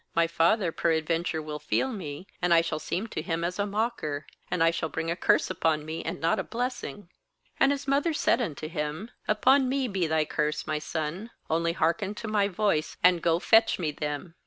^My father peradventure will feel me, and I shall seem to him as a mocker; and I shall bring a curse fc That is, Room. 27.12 GENESIS upon me, and not a blessing.' 13And his mother said unto him: 'Upon me be thy curse, my son; only hearken to my voice, and go fetch me them.'